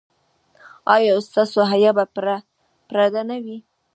ایا ستاسو حیا به پرده نه وي؟